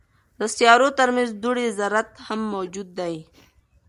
د سیارو ترمنځ دوړې ذرات هم موجود دي.